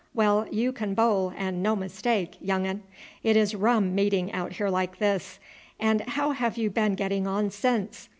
Well, you can bowl and no mistake, young un. It is rum meeting out here like this. And how have you been getting on since?